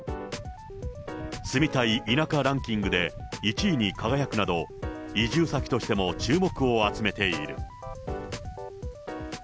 住みたい田舎ランキングで１位に輝くなど、移住先としても注目を集めている。